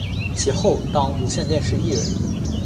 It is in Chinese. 其后当无线电视艺人。